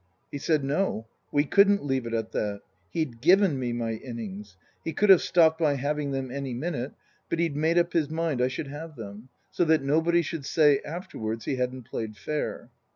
He said, No. We couldn't leave it at that. He'd given me my innings. He could have stopped my having them any minute, but he'd made up his mind I should have them. So that nobody should say afterwards he hadn't played fair.